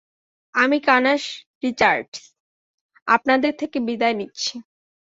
আমি Kanas Richards, আপনাদের থেকে বিদায় নিচ্ছি।